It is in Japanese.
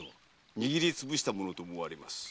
握りつぶしたものと思われます。